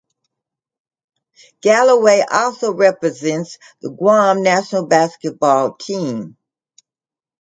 Galloway also represents the Guam national basketball team.